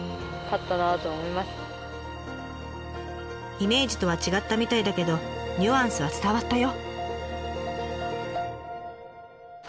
イメージとは違ったみたいだけどニュアンスは伝わったよ！